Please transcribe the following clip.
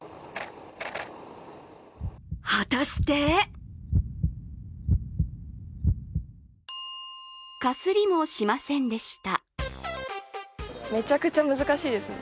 果たしてかすりもしませんでした。